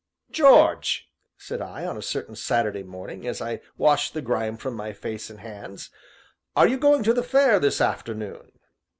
"George," said I, on a certain Saturday morning, as I washed the grime from my face and hands, "are you going to the Fair this afternoon?"